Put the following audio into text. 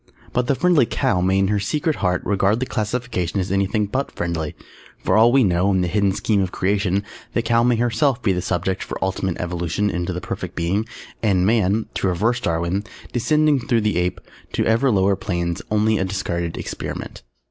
_ But the "Friendly Cow" may in her secret heart regard the classification as anything but friendly. For all we know, in the hidden scheme of Creation, the Cow may herself be the subject for ultimate evolution into the Perfect Being, and Man (to reverse Darwin), descending through the Ape to ever lower planes, only a discarded experiment.